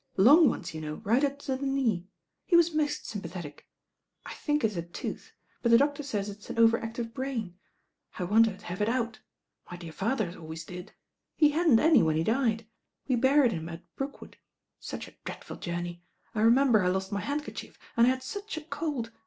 Long ones, you know, right up to the knee. He was most sympathetic. I think it's a tooth; but the doctor says it's an over active brain. I want her to have it out. My dear father always did. He hadn't any when he died. We buried him at Brookwood. Such a dreadful journey. I remem ber I lost my handkerchief, and I had such a cold.